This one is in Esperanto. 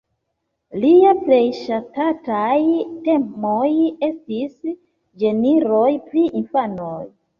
Liaj plej ŝatataj temoj estis ĝenroj pri infanoj.